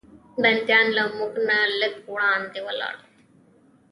بندیان له موږ نه لږ وړاندې ولاړ و.